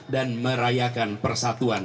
dan merayakan persatuan